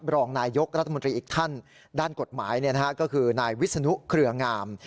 รองนายยกรัฐมนตรีอีกท่านด้านกฎหมายก็คือนายวิศนุเครืองาม